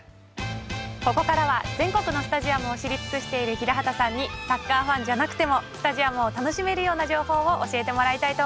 ここからは全国のスタジアムを知り尽くしている平畠さんにサッカーファンじゃなくてもスタジアムを楽しめるような情報を教えてもらいたいと思います！